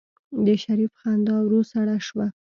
د شريف خندا ورو سړه شوه.